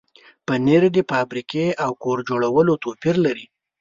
پنېر د فابریکې او کور جوړ توپیر لري.